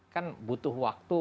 kan butuh waktu